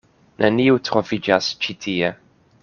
Neniu troviĝas ĉi tie.